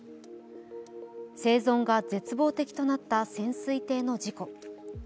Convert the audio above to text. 生存が絶望的となった潜水艇の事故。